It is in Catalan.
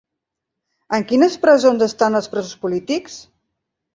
En quines presons estan els presos polítics?